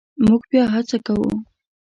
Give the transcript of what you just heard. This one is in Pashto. مونږ بیا هڅه کوو